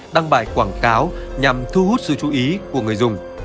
đăng bài quảng cáo nhằm thu hút sự chú ý của người dùng